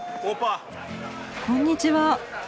こんにちは。